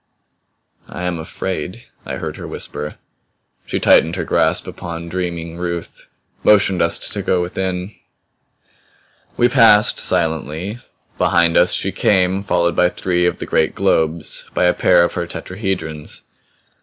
"I am afraid!" I heard her whisper. She tightened her grasp upon dreaming Ruth; motioned us to go within. We passed, silently; behind us she came, followed by three of the great globes, by a pair of her tetrahedrons.